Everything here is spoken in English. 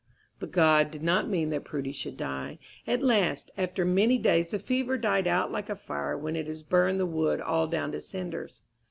But God did not mean that Prudy should die. At last, after many days, the fever died out like a fire when it has burned the wood all down to cinders.